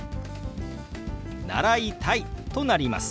「習いたい」となります。